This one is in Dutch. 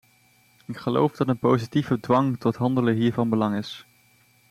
Ik geloof dat een positieve dwang tot handelen hier van belang is.